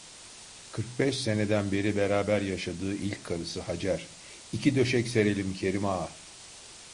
Kırk beş seneden beri beraber yaşadığı ilk karısı Hacer: "İki döşek serelim, Kerim Ağa…"